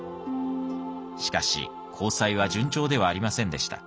しかし交際は順調ではありませんでした。